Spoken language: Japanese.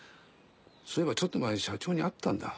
そういえばちょっと前社長に会ったんだ。